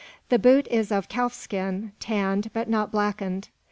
The boot is of calf skin, tanned, but not blackened.